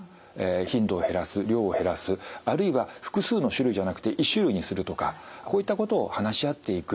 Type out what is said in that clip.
頻度を減らす量を減らすあるいは複数の種類じゃなくて１種類にするとかこういったことを話し合っていく。